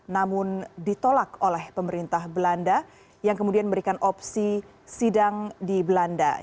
namun ditolak oleh pemerintah belanda yang kemudian memberikan opsi sidang di belanda